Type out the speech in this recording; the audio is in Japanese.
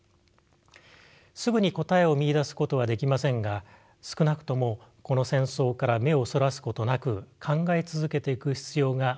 すぐに答えを見いだすことはできませんが少なくともこの戦争から目をそらすことなく考え続けていく必要があるのではないかと思います。